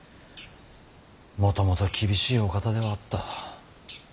もともと厳しいお方ではあった。